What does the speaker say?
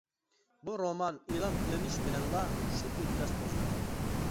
بۇ رومان ئېلان قىلىنىش بىلەنلا كۈچلۈك ئىنكاس قوزغىدى.